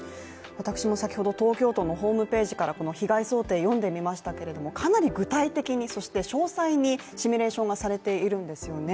私も先ほど東京都のホームページから被害想定、読んでみましたけれどもかなり具体的にそして詳細にシミュレーションがされているんですよね